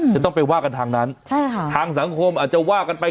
จะต้องไปว่ากันทางนั้นทางสังคมอาจจะว่ากันไป